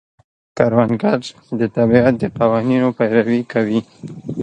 کروندګر د طبیعت د قوانینو پیروي کوي